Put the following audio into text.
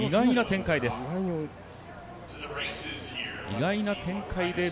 意外な展開です。